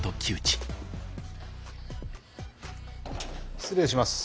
失礼します。